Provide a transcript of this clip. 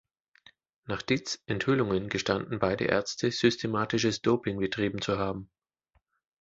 Nach Dietz’ Enthüllungen gestanden beide Ärzte, systematisches Doping betrieben zu haben.